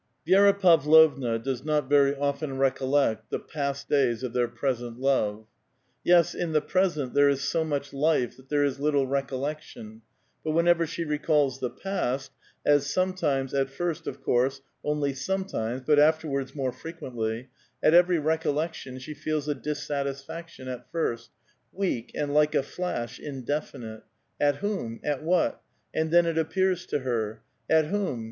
ViERA Pavlovna does not very often recollect the past 'days of their present love. Yes, in the present there is so miuch life that there is little recollection ; but whenever she recalls the past, — as sometimes, at first, of course, only sometimes^ but afterwards more frequently, — at every rec ollection she feels a dissatisfaction, at first, weak and like a flash, indefinite. At whom? at what? and then it appears to her. At whom?